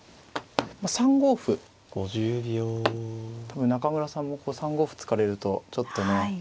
多分中村さんも３五歩突かれるとちょっとね嫌な。